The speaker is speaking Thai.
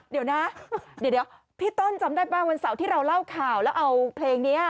เดี๋ยวนะเดี๋ยวพี่ต้นจำได้ป่ะวันเสาร์ที่เราเล่าข่าวแล้วเอาเพลงนี้